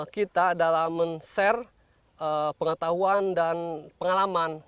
kita dalam men share pengetahuan dan pengalaman